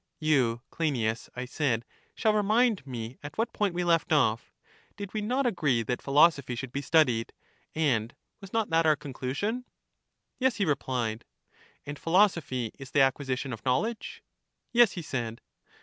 You, Cleinias, I said, shall remind me at what point we left off. Did we not agree that philosophy should be studied? and was not that our conclusion ? Yes, he replied. And philosophy is the acquisition of knowledge? Yes, he said.